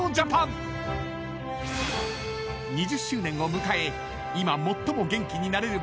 ［２０周年を迎え今最も元気になれる場所